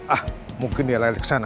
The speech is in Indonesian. ah mungkin dia lalik kesana